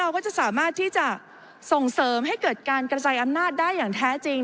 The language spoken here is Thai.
ก็จะสามารถที่จะส่งเสริมให้เกิดการกระจายอำนาจได้อย่างแท้จริง